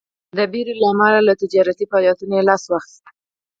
د ویرې له امله له تجارتي فعالیتونو لاس واخیست.